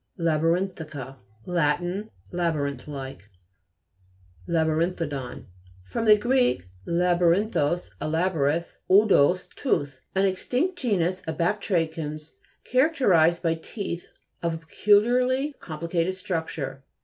LABTRI'NTIIICA Lat. Labyrinth like. LABTRI'NTHODON fr. gr. laburin thos, a labyrinth, odous, tooth. An extinct genus of batrachians, characterised by teeth of a peculiar ly complicated structure.